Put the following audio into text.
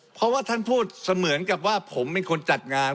เพราะว่าท่านพูดเสมือนกับว่าผมเป็นคนจัดงาน